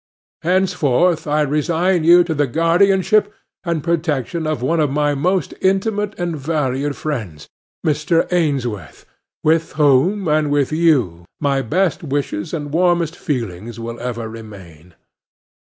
Henceforth I resign you to the guardianship and protection of one of my most intimate and valued friends, Mr. Ainsworth, with whom, and with you, my best wishes and warmest feelings will ever remain.